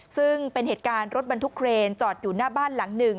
ซึ่งเป็นเหตุการณ์รถบรรทุกเครนจอดอยู่หน้าบ้านหลังหนึ่ง